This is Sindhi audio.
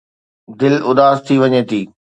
دل اداس ٿي وڃي ٿي.